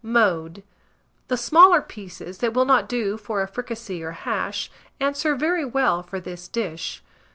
Mode. The smaller pieces, that will not do for a fricassée or hash, answer very well for this dish.